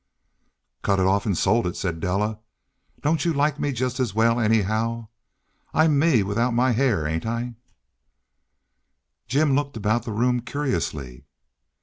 "Cut it off and sold it," said Della. "Don't you like me just as well, anyhow? I'm me without my hair, ain't I?" Jim looked about the room curiously.